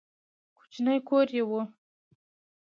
کوچنی کور یې و.